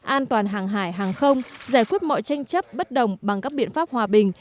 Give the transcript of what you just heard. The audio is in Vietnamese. an toàn hàng hải hàng không giải quyết mọi tranh chấp bất đồng bằng các biện pháp hòa bình